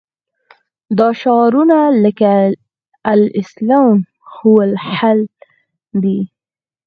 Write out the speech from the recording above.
دا شعارونه لکه الاسلام هو الحل دي.